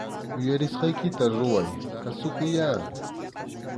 Uyarisqaykita ruray, kasukuyyá